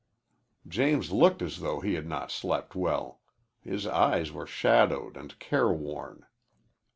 James looked as though he had not slept well. His eyes were shadowed and careworn.